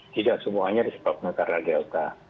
tidak semuanya disebabkan karena delta